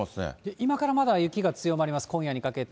今からまだ、雪が強まります、今夜にかけて。